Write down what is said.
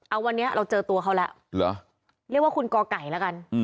เอาวันนี้เราเจอตัวเขาแล้วเหรอเรียกว่าคุณกไก่แล้วกัน